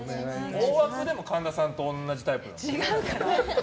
大枠は神田さんと同じタイプだよね。